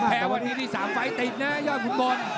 แพ้วันนี้นี่๓ไฟล์ติดนะยอดขุนพล